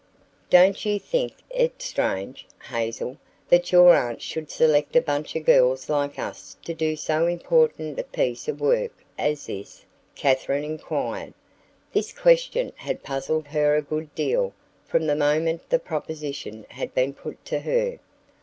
"Don't you think it strange, Hazel, that your aunt should select a bunch of girls like us to do so important a piece of work as this?" Katherine inquired. This question had puzzled her a good deal from the moment the proposition had been put to her.